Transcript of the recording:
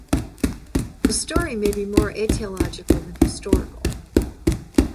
The story may be more aetiological than historical.